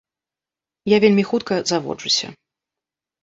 Я вельмі хутка заводжуся.